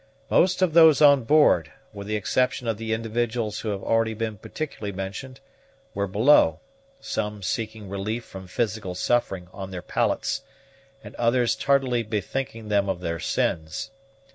Most of those on board, with the exception of the individuals who have already been particularly mentioned, were below, some seeking relief from physical suffering on their pallets, and others tardily bethinking them of their sins.